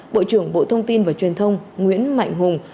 bộ trưởng bộ thông tin và truyền thông nguyễn mạnh hùng